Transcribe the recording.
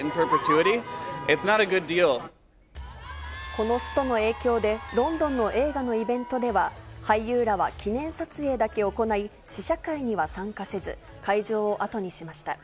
このストの影響で、ロンドンの映画のイベントでは、俳優らは記念撮影だけ行い、試写会には参加せず、会場を後にしました。